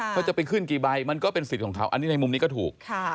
เขาจะไปขึ้นกี่ใบมันก็เป็นสิทธิ์ของเขาอันนี้ในมุมนี้ก็ถูก